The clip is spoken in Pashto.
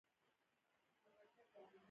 هنر د انسان د ذوق ښکارندویي کوي.